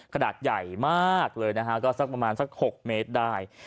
ขนาดใหญ่มากเลยนะฮะก็สักประมาณสัก๖เมตรได้